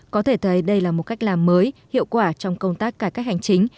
có thể thấy đây là một cách làm mới hiệu quả trong công tác cải cách hành chính